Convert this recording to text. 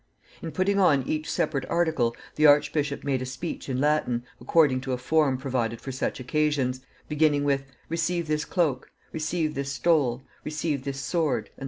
In putting on each separate article the archbishop made a speech in Latin, according to a form provided for such occasions, beginning with, Receive this cloak, receive this stole, receive this sword, and the like.